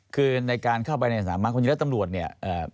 คือในการเข้าไปในสามะความจริงแล้วตำรวจเนี่ย